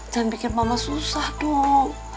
jangan bikin mama susah dong